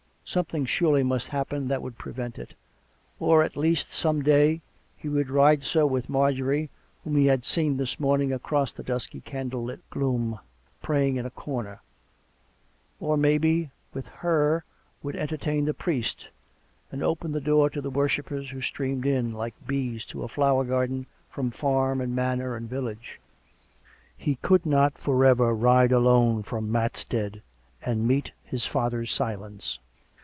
Some thing surely must happen that would prevent it. Or, at least, some day, he would ride so with Marjorie, whom he had seen this morning across the dusky candle lit gloom, praying in a corner; or, maybe, with her would entertain the priest, and open the door to the worshippers who streamed in, like bees to a flower garden, from farm and manor and village. He could not for ever ride alone from Matstead and meet his father's silence.